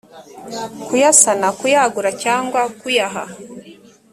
kuyasana kuyagura cyangwa kuyaha